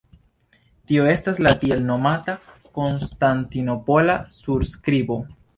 Tio estas la tielnomata Konstantinopola surskribo.